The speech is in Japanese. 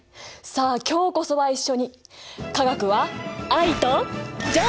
さあ今日こそは一緒に化学は愛と情熱！